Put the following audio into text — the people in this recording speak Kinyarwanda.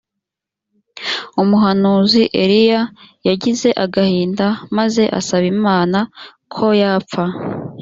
umuhanuzi eliya yagize agahinda maze asaba imana ko yapfa